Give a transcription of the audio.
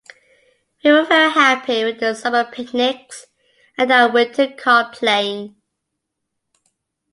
We were very happy, with our summer picnics and our winter card-playing.